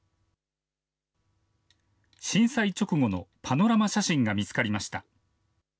震災直後のパノラマ写真が見つかりました。